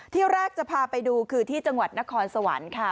ที่แรกจะพาไปดูคือที่จังหวัดนครสวรรค์ค่ะ